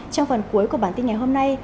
trong phần cuối của bản tin ngày hôm nay